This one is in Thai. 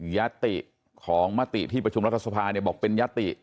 ยัตติของมติที่ประชุมรัฐสภาบอกเป็นยติ